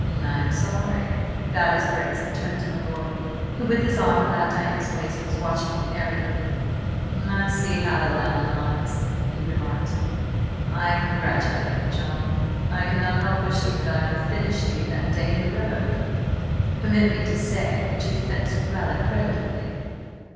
"I am sorry," bowed his Grace, and turned to my lord, who, with his arm about Diana's waist, was watching him arrogantly. "I see how the land lies," he remarked. "I congratulate you, John. I cannot help wishing that I had finished you that day in the road. Permit me to say that you fence rather creditably."